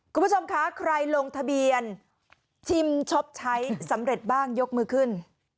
คุณผู้ชมคะใครลงทะเบียนชิมช็อปใช้สำเร็จบ้างยกมือขึ้น